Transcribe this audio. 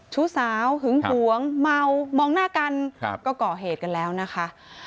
ชู้สาวหึงหวงเมามองหน้ากันก็ก่อเหตุกันแล้วนะคะ